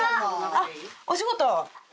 あっお仕事。